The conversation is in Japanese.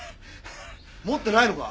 持ってないのか？